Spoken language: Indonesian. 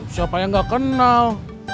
siapa yang gak kenal